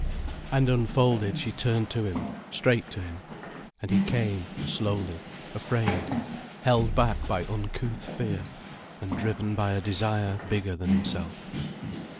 And unfolded she turned to him, straight to him. And he came, slowly, afraid, held back by uncouth fear, and driven by a desire bigger than himself.